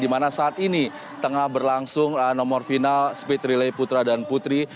di mana saat ini tengah berlangsung nomor final speed relay putra dan putri